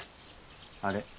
あれ。